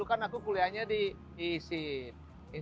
juga karena lucu beli buah judul di pinggir jalan